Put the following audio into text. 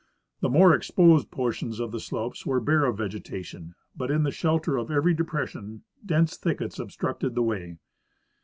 The more exposed portions of the slopes were bare of vegetation, but in the shelter of every depres sion dense thickets obstructed the way.